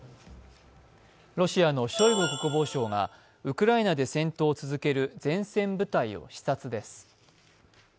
ロシアのショイグ国防相がウクライナで戦闘を続ける前線部隊を視察です。